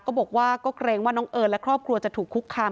ก็บอกว่าก็เกรงว่าน้องเอิญและครอบครัวจะถูกคุกคาม